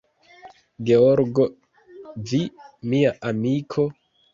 Georgo, vi, mia amiko?